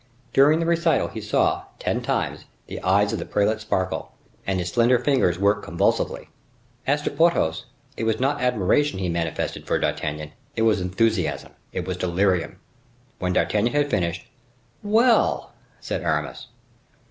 During the recital he saw, ten times, the eyes of the prelate sparkle, and his slender fingers work convulsively. As to Porthos, it was not admiration he manifested for D'Artagnan; it was enthusiasm, it was delirium. When D'Artagnan had finished, "Well!" said Aramis.